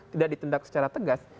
tidak ditindak secara tegas